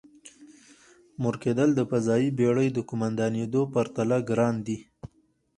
مور کېدل د فضايي بېړۍ د قوماندانېدو پرتله ګران دی.